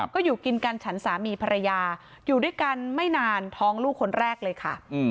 ก็อยู่กินกันฉันสามีภรรยาอยู่ด้วยกันไม่นานท้องลูกคนแรกเลยค่ะ